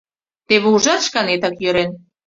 Теве ужат, шканетак йӧрен.